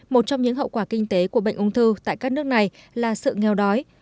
một trong những hậu quả kinh tế của bệnh ung thư tại các nước này là sự nghèo đói